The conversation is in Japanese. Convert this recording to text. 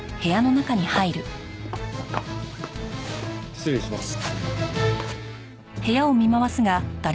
失礼します。